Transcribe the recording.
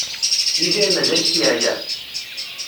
Yidir mazal-it yeɛya?